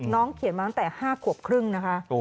เขียนมาตั้งแต่๕ขวบครึ่งนะคะ